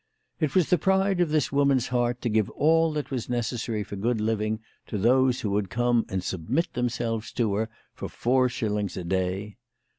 It was the pride of this woman's heart to give all that was neces sary for good living, to those who would come and submit themselves to her, for four shillings a day.